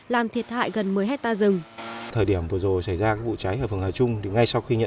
làm thiệt hại gần một mươi hectare rừng